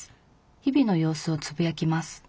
日々の様子をつぶやきます」。